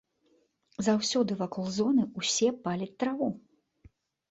Заўсёды вакол зоны ўсе паляць траву.